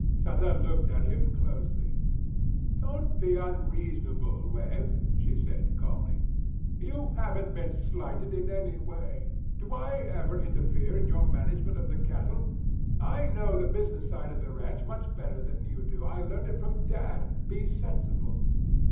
Santa looked at him closely. "Don't be unreasonable, Webb," she said calmly. "You haven't been slighted in any way. Do I ever interfere in your management of the cattle? I know the business side of the ranch much better than you do. I learned it from Dad. Be sensible."